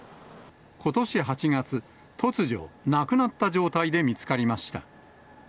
ことし８月、突如、亡くなった状態で見つかりました。